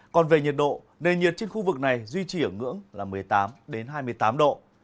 còn về nhiệt độ nền nhiệt trên khu vực này duy trì ở ngưỡng là một mươi tám hai mươi tám độ